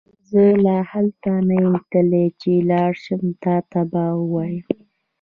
زه لا هلته نه يم تللی چې لاړشم تا ته به وويم